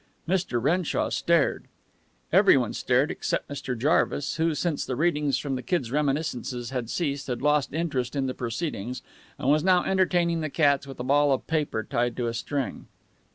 Mr. Renshaw stared. Everyone stared, except Mr. Jarvis, who, since the readings from the Kid's reminiscences had ceased, had lost interest in the proceedings, and was now entertaining the cats with a ball of paper tied to a string.